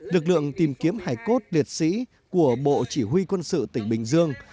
lực lượng tìm kiếm hải cốt liệt sĩ của bộ chỉ huy quân sự tỉnh bình dương